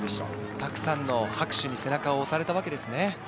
たくさんの拍手に背中を押されたわけですね。